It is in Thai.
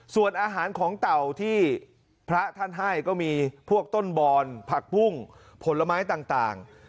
ส่วนอาหารของเต่าที่พระท่านให้ก็มีพวกต้นบอนผักปุ้งผลไม้ต่าง